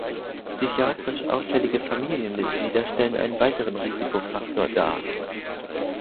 Psychiatrisch auffällige Familienmitglieder stellen einen weiteren Risikofaktor dar.